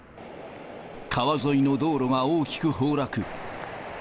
川沿いの道路が大きく崩落。